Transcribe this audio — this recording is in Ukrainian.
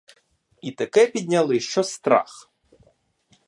І таке підняли, що страх!